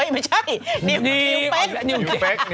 ไม่ใช่นิ้วเป๊ก